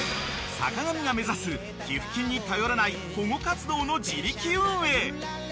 ［坂上が目指す寄付金に頼らない保護活動の自力運営］